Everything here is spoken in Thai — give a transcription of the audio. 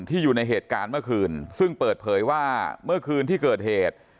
อยู่ในเหตุการณ์เมื่อคืนซึ่งเปิดเผยว่าเมื่อคืนที่เกิดเหตุ